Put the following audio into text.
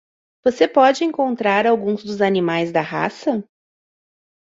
Você pode encontrar alguns dos animais da raça?